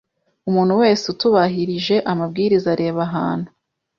Umuntu wese utubahirije amabwiriza areba ahantu